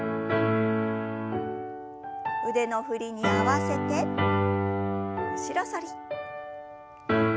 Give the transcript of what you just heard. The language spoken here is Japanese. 腕の振りに合わせて後ろ反り。